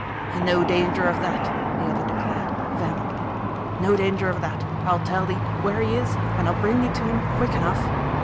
"No danger of that!" the other declared, vehemently. "No danger of that! I'll tell thee where he is and I'll bring thee to him quick enough!"